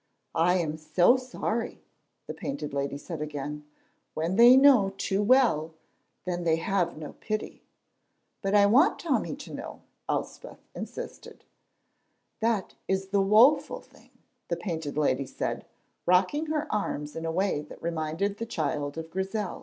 "I am so sorry," the Painted Lady said again. "When they know too well, then they have no pity." "But I want Tommy to know," Elspeth insisted. "That is the woeful thing," the Painted Lady said, rocking her arms in a way that reminded the child of Grizel.